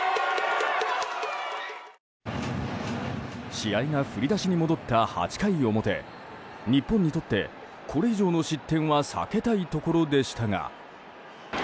試合が振り出しに戻った８回表日本にとって、これ以上の失点は避けたいところでしたが。